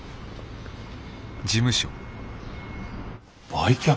売却？